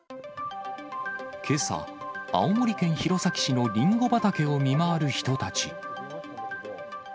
けさ、青森県弘前市のりんご畑を見回る人たち。